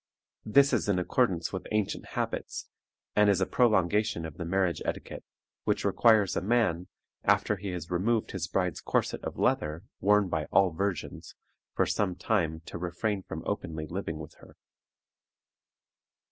This is in accordance with ancient habits, and is a prolongation of the marriage etiquette, which requires a man, after he has removed his bride's corset of leather, worn by all virgins, for some time to refrain from openly living with her.